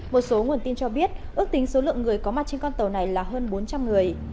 một số nguồn tin cho biết ước tính số lượng người có mặt trên con tàu này là hơn bốn trăm linh người